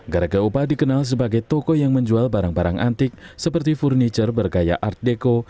garaga upah dikenal sebagai toko yang menjual barang barang antik seperti furniture bergaya art deco